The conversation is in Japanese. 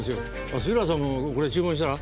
あ杉浦さんもこれ注文したら？